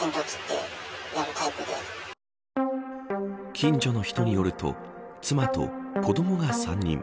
近所の人によると妻と、子どもが３人。